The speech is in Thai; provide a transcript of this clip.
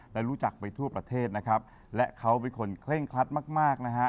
และรู้จักไปทั่วประเทศนะครับและเขาเป็นคนเคร่งครัดมากมากนะฮะ